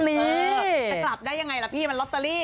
จะกลับได้ยังไงล่ะพี่มันลอตเตอรี่